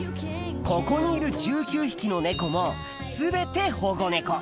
ここにいる１９匹の猫も全て保護猫